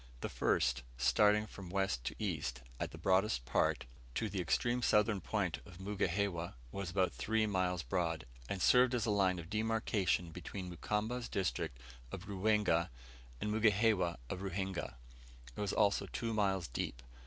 The first, starting from west to east, at the broadest part, to the extreme southern point of Mugihewa, was about three miles broad, and served as a line of demarcation between Mukamba's district of Ruwenga and Mugihewa of Ruhinga; it was also two miles deep.